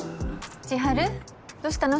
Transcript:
千晴どうしたの？